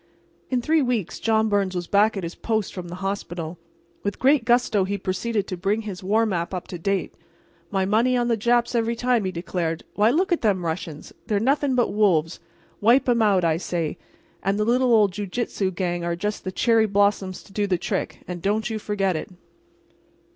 In three weeks John Byrnes was back at his post from the hospital. With great gusto he proceeded to bring his war map up to date. "My money on the Japs every time," he declared. "Why, look at them Russians—they're nothing but wolves. Wipe 'em out, I say—and the little old jiu jitsu gang are just the cherry blossoms to do the trick, and don't you forget it!"